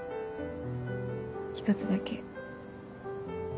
一つだけ。